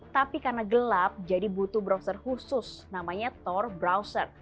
tapi karena gelap jadi butuh browser khusus namanya thor browser